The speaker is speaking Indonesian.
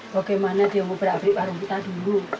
bagaimana dia mau berabrik warung kita dulu